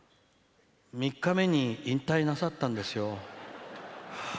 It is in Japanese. ３日目に引退なさったんですよ。